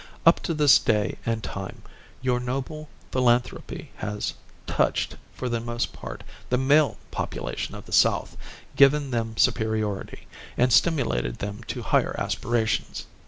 Up to this day and time your noble philanthropy has touched, for the most part, the male population of the South, given them superiority, and stimulated them to higher aspirations.